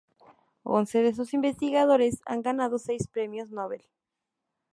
Once de sus investigadores han ganado seis Premios Nobel.